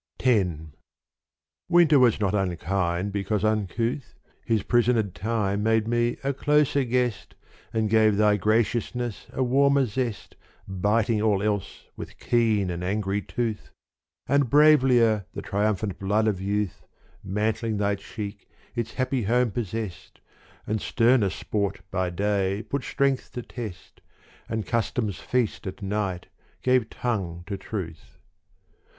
X Winter was not unkind because uncouth, His prisoned time made me a closer guest And gave thy graciousness a warmer zest Biting all else with keen and angry tooth : And bravelier the triumphant blood of youth Mantling thy cheek its happy home possest And sterner sport by day put strength to test And custom's feast at night gave tongue to truth.